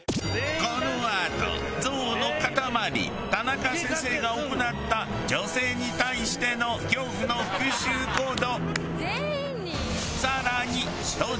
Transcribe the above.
このあと憎悪の塊田中先生が行った女性に対しての恐怖の復讐行動。